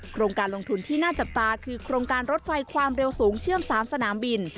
โครงการลงทุนที่น่าจับตาคือโครงการรถไฟความเร็วสูงเชื่อม๓สนามบิน